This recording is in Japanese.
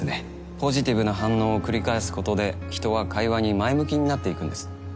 ポジティブな反応を繰り返すことで人は会話に前向きになっていくんです。